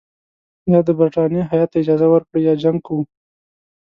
یا د برټانیې هیات ته اجازه ورکړئ یا جنګ کوو.